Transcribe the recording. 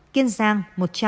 kiên giang một trăm linh